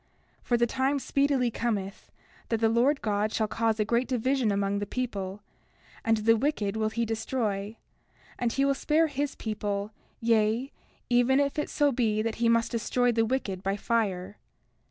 30:10 For the time speedily cometh that the Lord God shall cause a great division among the people, and the wicked will he destroy; and he will spare his people, yea, even if it so be that he must destroy the wicked by fire.